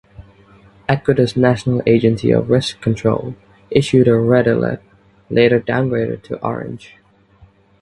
Ecuador's National Agency of Risk Control issued a "red alert", later downgraded to orange.